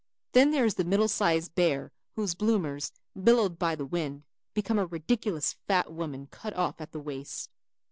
Then there is the middle sized bear whose bloomers, billowed by the wind, become a ridiculous fat woman cut off at the waist.